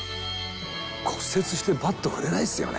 「骨折してバット振れないですよね」